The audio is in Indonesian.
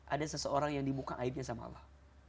ada seseorang yang dimuka aibnya sama allah